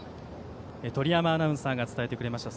鳥山アナウンサーが伝えてくれました。